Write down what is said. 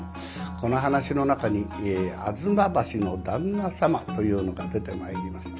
この噺の中に吾妻橋の旦那様というのが出てまいります。